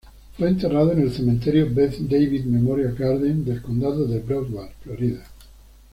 Fue enterrado en el Cementerio Beth David Memorial Gardens del Condado de Broward, Florida.